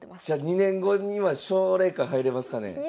じゃあ２年後には奨励会入れますかね？